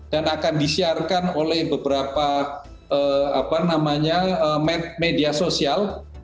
dan akan disiarkan oleh beberapa media sosial